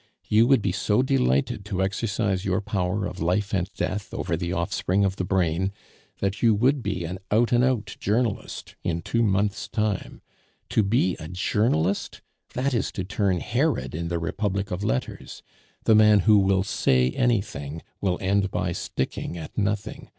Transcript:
You would be so delighted to exercise your power of life and death over the offspring of the brain, that you would be an out and out journalist in two months' time. To be a journalist that is to turn Herod in the republic of letters. The man who will say anything will end by sticking at nothing.